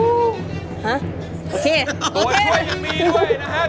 โดดช่วยยังมีด้วยนะครับ